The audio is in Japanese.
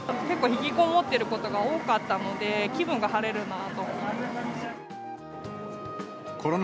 結構引きこもっていることが多かったので、気分が晴れるなと思います。